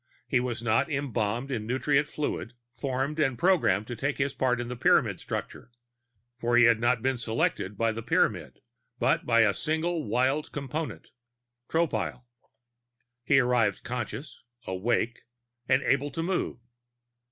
He was not embalmed in nutrient fluid, formed and programmed to take his part in the Pyramid structure, for he had not been selected by the Pyramid but by that single wild Component, Tropile. He arrived conscious, awake and able to move.